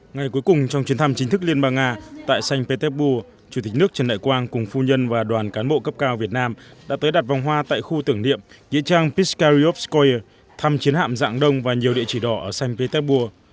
ngày cuối cùng trong chuyến thăm chính thức liên bang nga tại sanh petersburg chủ tịch nước trần đại quang cùng phu nhân và đoàn cán bộ cấp cao việt nam đã tới đặt vòng hoa tại khu tưởng niệm nghĩa trang piskariovskoyer thăm chiến hạm dạng đông và nhiều địa chỉ đỏ ở sankt petersburg